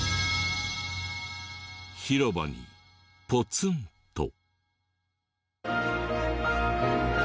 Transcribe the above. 広場にポツンと。